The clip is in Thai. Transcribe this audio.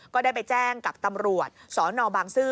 ก็ได้ไปแจ้งกับตำรวจสนบางซื่อ